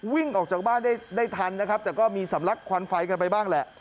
วิ่งออกจากบ้านได้ได้ทันนะครับแต่ก็มีสำลักควันไฟกันไปบ้างแหละ